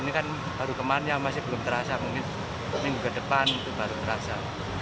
ini kan baru kemarin masih belum terasa mungkin minggu ke depan itu baru terasa